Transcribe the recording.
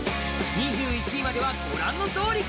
２１位まではご覧のとおり。